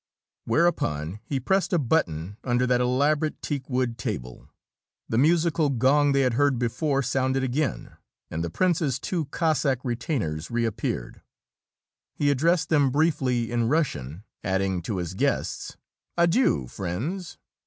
Whereupon he pressed a button under that elaborate teakwood table. The musical gong they had heard before sounded again, and the prince's two Cossack retainers reappeared. He addressed them briefly in Russian, adding to his guests: "Adieu, friends!